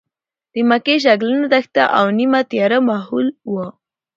د مکې شګلنه دښته او نیمه تیاره ماحول و.